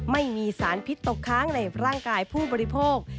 ไม่มีสารพิษตกค้างในร่างกายผู้บริโภค